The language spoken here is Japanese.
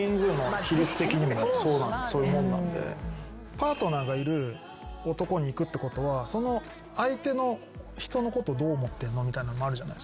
パートナーがいる男にいくってことはその相手の人のことどう思ってんの？みたいなのもあるじゃないですか。